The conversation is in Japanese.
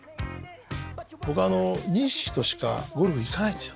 僕ニシキとしかゴルフ行かないんですよ